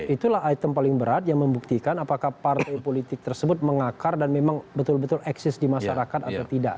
itulah item paling berat yang membuktikan apakah partai politik tersebut mengakar dan memang betul betul eksis di masyarakat atau tidak